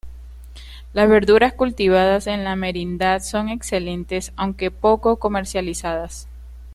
Las verduras cultivadas en la merindad son excelentes aunque poco comercializadas.